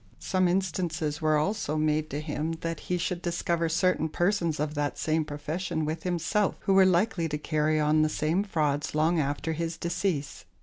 Some instances were also made to him that he should discover certain persons of that same profession with himself, who were likely to carry on the same frauds long after his decease.